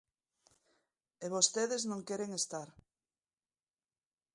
E vostedes non queren estar.